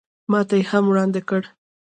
ماته یې هم وړاندې کړ.